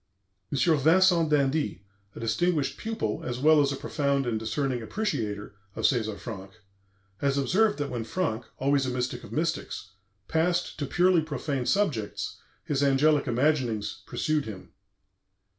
M. Vincent d'Indy, a distinguished pupil, as well as a profound and discerning appreciator, of César Franck, has observed that when Franck (always a mystic of mystics) passed to purely profane subjects his angelic imaginings pursued him.